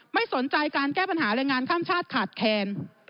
ไม่สนใจการแก้ปัญหาแรงงานข้ามชาติขาดแคลน